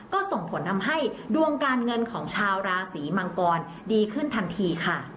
ก็ส่งผลทำให้ดวงการเงินของชาวราศีมังกรดีขึ้นทันทีค่ะ